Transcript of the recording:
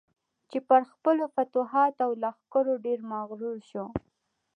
چې پر خپلو فتوحاتو او لښکرو ډېر مغرور شو.